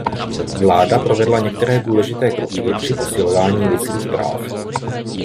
Vláda provedla některé důležité kroky při posilování lidských práv.